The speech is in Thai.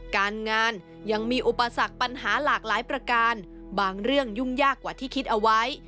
การงานยังมีอุปสรรคปัญหาหลากหลายประการบางเรื่องยุ่งยากกว่าที่คิดเอาไว้